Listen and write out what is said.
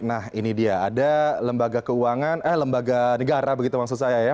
nah ini dia ada lembaga keuangan eh lembaga negara begitu maksud saya ya